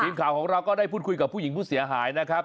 ทีมข่าวของเราก็ได้พูดคุยกับผู้หญิงผู้เสียหายนะครับ